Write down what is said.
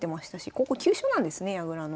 ここ急所なんですね矢倉の。